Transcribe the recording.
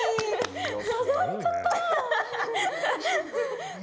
誘われちゃった！